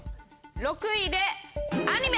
６位でアニメ。